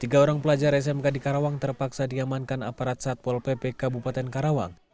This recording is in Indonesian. tiga orang pelajar smk di karawang terpaksa diamankan aparat satpol pp kabupaten karawang